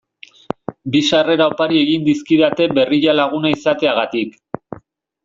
Bi sarrera opari egin dizkidate Berrialaguna izateagatik.